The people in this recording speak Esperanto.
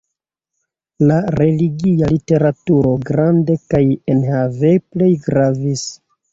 La religia literaturo grande kaj enhave plej gravis.